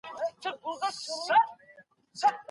جرم د پولیسو لخوا وڅېړل سو.